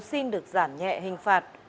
xin được giảm nhẹ hình phạt